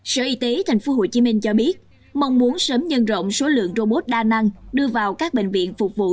sở y tế tp hcm cho biết mong muốn sớm nhân rộng số lượng robot đa năng đưa vào các bệnh viện phục vụ